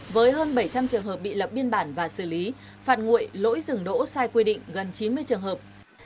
với hơn bảy trăm linh trường hợp bị lập biên bản và xử lý phạt nguội lỗi dừng đỗ sai quy định gần chín mươi trường hợp